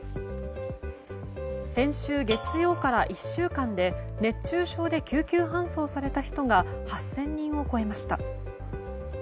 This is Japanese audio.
先週月曜から１週間で熱中症で救急搬送された人が８０００人を超えました。